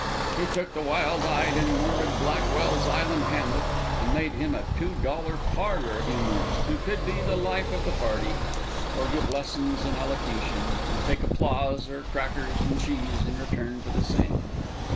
He took the wild eyed and morbid Blackwell's Island Hamlet, and made him a $2 parlor humorist who could be the life of the party, or give lessons in elocution, and take applause or crackers and cheese in return for the same.